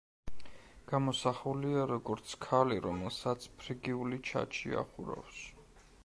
გამოსახულია როგორც ქალი, რომელსაც ფრიგიული ჩაჩი ახურავს.